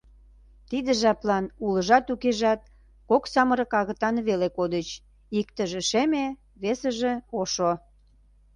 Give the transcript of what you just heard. Тиде жаплан улыжат-укежат кок самырык агытан веле кодыч, иктыже шеме, весыже — ошо.